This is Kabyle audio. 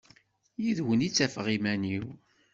Yid-wen i ttafeɣ iman-iw.